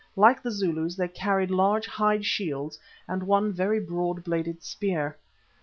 Like the Zulus they carried large hide shields and one very broad bladed spear.